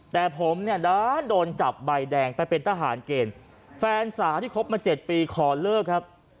แต่ผมเนี่ยด้านโดนจับใบแดงไปเป็นทหารเกณฑ์แฟนสาวที่คบมา๗ปีขอเลิกครับ